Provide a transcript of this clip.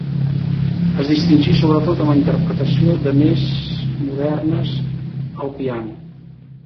Es distingí, sobretot, en la interpretació de més modernes al piano.